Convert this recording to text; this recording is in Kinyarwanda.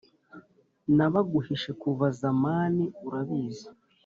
nabaguhishe kuva zamani urabizi